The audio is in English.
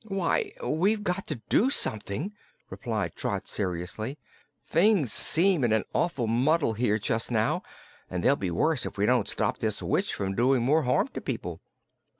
"Why, we've got to do something," replied Trot seriously. "Things seem in an awful muddle here, jus' now, and they'll be worse if we don't stop this witch from doing more harm to people."